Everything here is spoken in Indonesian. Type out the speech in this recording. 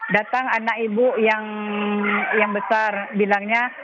datang anak ibu yang besar bilangnya